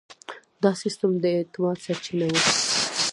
دا سیستم د اعتماد سرچینه وه.